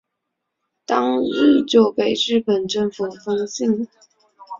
当日就被日本政府封禁了。